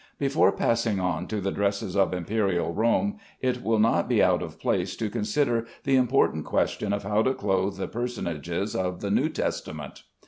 Before passing on to the dresses of Imperial Rome, it will not be out of place to consider the important question of how to clothe the personages of the New Testament.